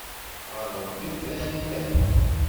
Ɣer Ṛebbi frant akk.